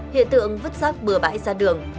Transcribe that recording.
hiện tượng vứt rác bừa bãi ra đường